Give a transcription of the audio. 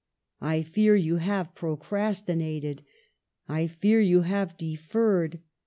I fear you have procrastinated ; I fear you have de ferred.